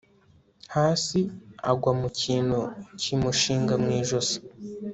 hasi agwa mukintu kimushinga mwijosi